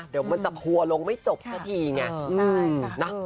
เดี๋ยวมันจะพัวลงไม่จบซะทีไงใช่ค่ะ